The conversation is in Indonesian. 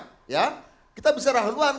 kita bisa berbicara haluan